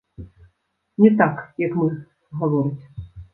Не так, як мы гаворыць.